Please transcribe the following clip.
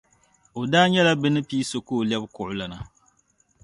O daa nyɛla bɛ ni pii so ka o lɛbi kuɣulana.